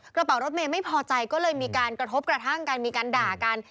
กระเป๋ารถเมย์ไม่พอใจก็เลยมีการกระทบกระทั่งกันมีการด่ากัน